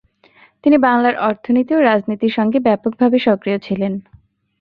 তিনি বাংলার অর্থনীতি ও রাজনীতি সঙ্গে ব্যাপকভাবে সক্রিয় ছিলেন।